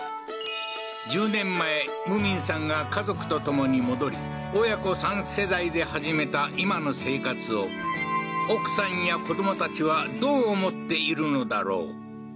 １０年前無民さんが家族と共に戻り親子３世代で始めた今の生活を奥さんや子どもたちはどう思っているのだろう？